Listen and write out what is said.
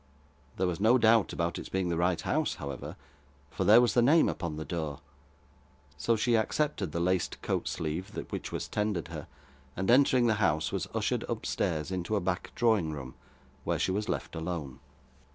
There was no doubt about its being the right house, however, for there was the name upon the door; so she accepted the laced coat sleeve which was tendered her, and entering the house, was ushered upstairs, into a back drawing room, where she was left alone.